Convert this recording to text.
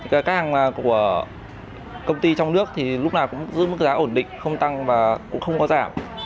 các hàng của công ty trong nước thì lúc nào cũng giữ mức giá ổn định không tăng và cũng không có giảm